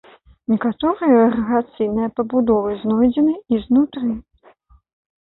Некаторыя ірыгацыйныя пабудовы знойдзены і знутры.